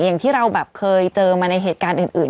อย่างที่เราแบบเคยเจอมาในเหตุการณ์อื่น